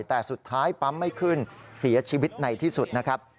แต่สุดท้ายปั๊มไม่ขึ้นเสียชีวิตในที่สุดนะครับ